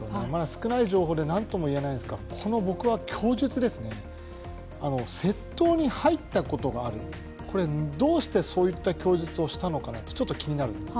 少ない情報で何ともいえないんですが、この供述ですね、窃盗に入ったことがある、どうしてそういった供述をしたのかなとちょっと気になるんです。